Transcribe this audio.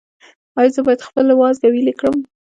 ایا زه باید خپل وازګه ویلې کړم؟